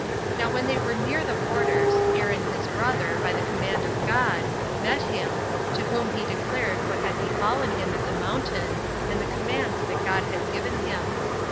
Now when they were near the borders, Aaron his brother, by the command of God, met him, to whom he declared what had befallen him at the mountain, and the commands that God had given him.